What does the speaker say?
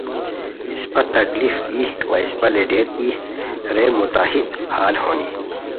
اسپہ تکلیف ای وا اسپہ لیڈر ای رے متحد حال ہونی